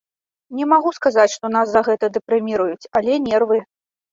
Не магу сказаць, што нас за гэта дэпрэміруюць, але нервы.